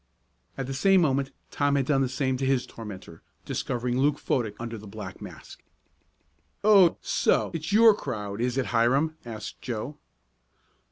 At the same moment Tom had done the same to his tormentor, discovering Luke Fodick under the black mask. "Oh, so it's your crowd, is it Hiram?" asked Joe.